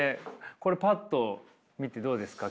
これパッと見てどうですか？